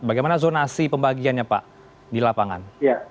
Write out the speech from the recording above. bagaimana zonasi pembagiannya pak di lapangan